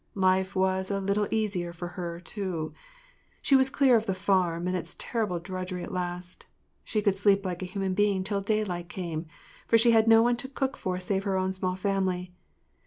Life was a little easier for her, too. She was clear of the farm and its terrible drudgery at last. She could sleep like a human being till daylight came, for she had no one to cook for save her own small family.